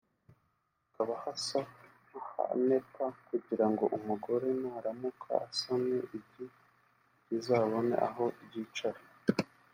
hakaba hasa n’ahanepa kugirango umugore naramuka asamye igi rizabone aho ryicara